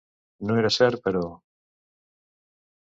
No era cert però.